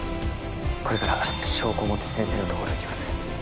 これから証拠を持って先生のところに行きます。